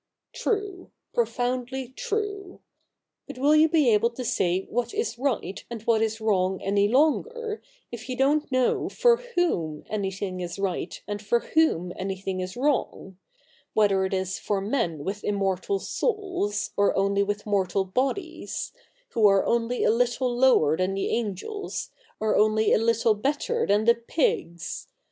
True, profoundly true. But will you be able to say what is right and what is wrong any longer, if you don't know for whom anything is right and for whom anything is wrong — whether it is for men with immortal souls, or only with mortal bodies — who are only a little lower than the angels, or only a little better than the pigs